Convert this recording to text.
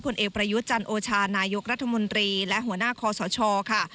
เอกประยุทธ์จันโอชานายกรัฐมนตรีและหัวหน้าคอสชค่ะ